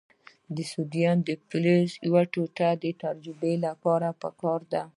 د سوډیم د فلز یوه ټوټه د تجربې لپاره پکار ده.